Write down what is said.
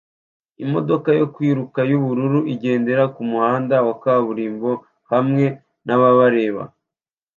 Imodoka yo kwiruka yubururu igendera kumuhanda wa kaburimbo hamwe nababareba